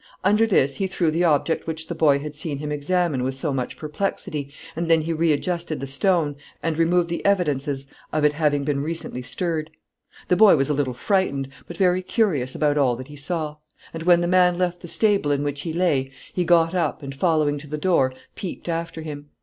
Under this he threw the object which the boy had seen him examine with so much perplexity, and then he readjusted the stone, and removed the evidences of its having been recently stirred. The boy was a little frightened, but very curious about all that he saw; and when the man left the stable in which he lay, he got up, and following to the door, peeped after him.